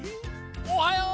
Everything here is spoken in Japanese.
おはよう！